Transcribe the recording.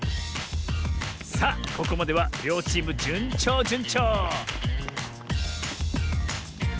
さあここまではりょうチームじゅんちょうじゅんちょう！